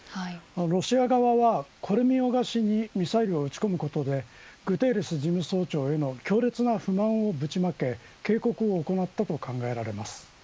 ロシア側は、これ見よがしにミサイルを撃ち込むことでグテーレス事務総長への強烈な不満をぶちまけ警告を行ったと考えられます。